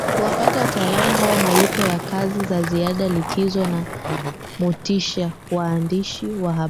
kuwapa wataalam hawa malipo ya kazi za ziada likizo na motisha Waandishi wa habari